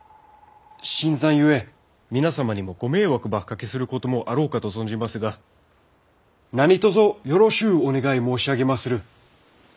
新参ゆえ皆様にもご迷惑ばおかけすることもあろうかと存じますが何とぞよろしうお願い申し上げまする！